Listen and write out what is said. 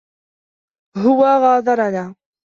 هو غادرنا.